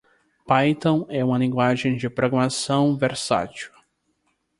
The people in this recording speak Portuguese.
Python é uma linguagem de programação versátil.